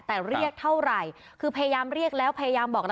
แต่เรียกเท่าไหร่คือพยายามเรียกแล้วพยายามบอกแล้ว